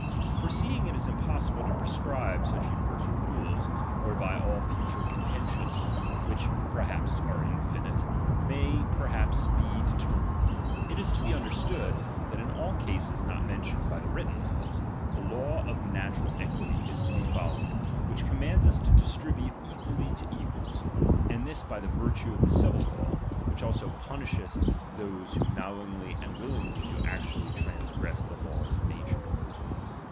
^1 For seeing it is impossible to prescribe such uni ^V versa! rules, whereby alt future contentions, which H^ perhaps are infinite, may be determined ; it is to H be understood that in all cases not mentioned by H the written laws, the law of natural equitij is to ^1 be followed, which commands us to distribute ^1 equally to equals ; and this by the virtue of the ^1 civil law, which also punisheth those who kuow ^1 ingly iiiid willingly do actually transgress the laws ^H of nature.